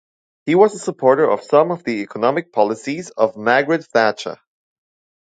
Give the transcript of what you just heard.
He was a supporter of some of the economic policies of Margaret Thatcher.